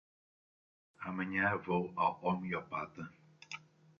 Amanhã vou ao homeopata.